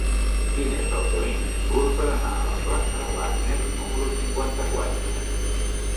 Quin és el camí més curt per anar a la plaça de Wagner número cinquanta-quatre?